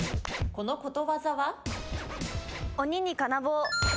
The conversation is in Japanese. このことわざは？